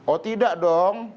oh tidak dong